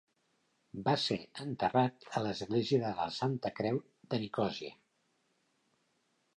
Va ser enterrat a l'església de la Santa Creu de Nicosia.